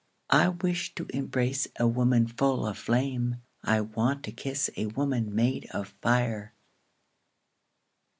I wish to embrace a woman full of flame, I want to kiss a woman made of fire.